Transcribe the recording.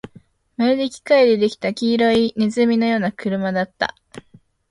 まるで機械で出来た黄色い鼠のような車だった